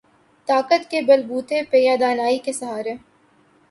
طاقت کے بل بوتے پہ یا دانائی کے سہارے۔